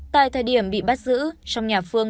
tại thời điểm bị bắt giữ trong nhà phương